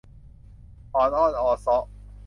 ออดอ้อนออเซาะ